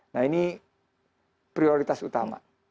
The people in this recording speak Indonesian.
nah ini prioritas utama